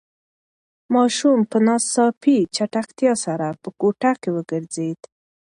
ماشوم په ناڅاپي چټکتیا سره په کوټه کې وگرځېد.